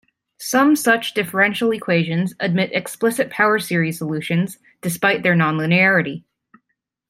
Some such differential equations admit explicit power series solutions, despite their non-linearity.